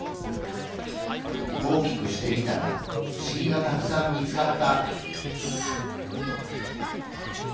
大きくしてみたらフシギがたくさん見つかった。